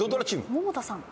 百田さん。